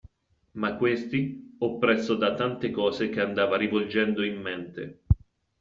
Ma questi oppresso da tante cose che andava rivolgendo in mente.